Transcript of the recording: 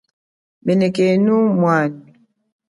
Menekenu mwanyi.